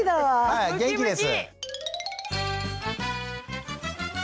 はい元気です。